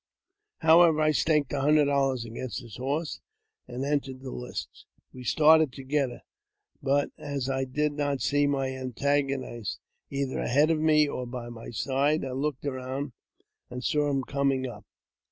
However, I staked a hundred dollars against his horse, and entered the lists. We started together ; but, as I did not see my antagonist, either ahead of me or by my side, I looked around, and saw him coming up.